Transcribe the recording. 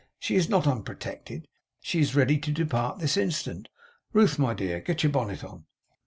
She is not unprotected. She is ready to depart this instant. Ruth, my dear, get your bonnet on!